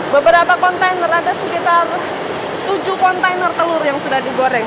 beberapa kontainer ada sekitar tujuh kontainer telur yang sudah digoreng